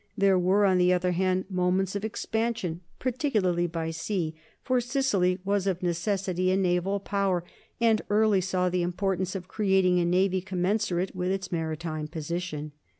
There were, on the other hand, moments of expansion, particularly by sea, 222 NORMANS IN EUROPEAN HISTORY for Sicily was of necessity a naval power and early saw the importance of creating a navy commensurate with its maritime position.